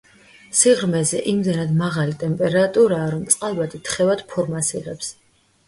სიღრმეზე იმდენად მაღალი ტემპერატურაა, რომ წყალბადი თხევად ფორმას იღებს.